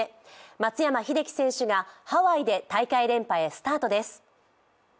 松山英樹選手がハワイで大会連覇へスタートです。